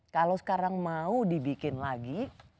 kalau sekarang mau dibikin lagi